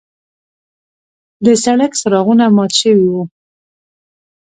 د سړک څراغونه مات شوي وو.